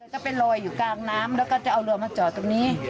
ก็ไปลอยอยู่กลางน้ำแล้วก็จะเอาเรือมาจอดตรงนี้